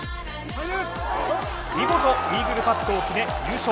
見事イーグルパットを決め、優勝。